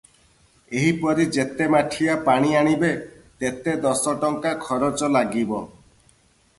ଏହିପରି ଯେତେ ମାଠିଆ ପାଣି ଆଣିବେ, ତେତେ ଦଶ ଟଙ୍କା ଖରଚ ଲାଗିବ ।